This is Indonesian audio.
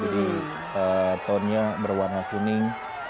jadi tone nya berwarna kuning